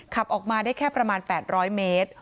ขับออกมาได้แค่ประมาณ๘๐๐เมตร